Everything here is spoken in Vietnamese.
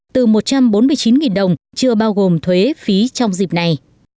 từ một trăm bốn mươi chín đồng chưa bao gồm thuế phí trong dịp này